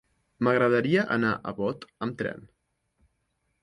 M'agradaria anar a Bot amb tren.